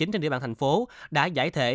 trên địa bàn thành phố đã giải thể